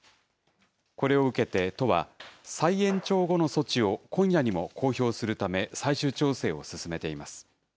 これを受けて都は、再延長後の措置を今夜にも公表するため、最終調整を進めています。